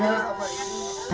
lalu danced percah seketika